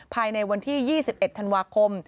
ภายในวันที่๒๑ธันวาคม